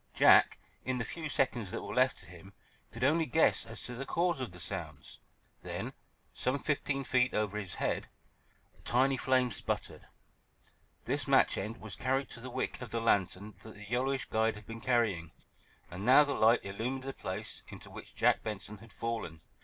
Jack, in the few seconds that were left to him, could only guess as to the cause of the sounds. Then, some fifteen feet over his head, a tiny flame sputtered. This match end was carried to the wick of the lantern that the yellowish guide had been carrying, and now the light illumined the place into which Jack Benson had fallen.